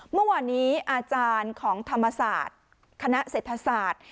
เมื่อวานนี้อาจารย์ของธรรมศาสตร์คณะเศรษฐศาสตร์